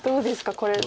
これ。